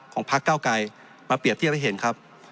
พักเก้าไกรมาเปรียบเทียบให้เห็นครับ